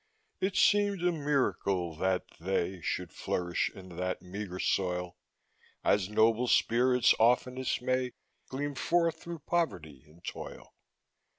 It seemed a miracle that they Should flourish in that meager soil, As noble spirits oftenest may Gleam forth through poverty and toil.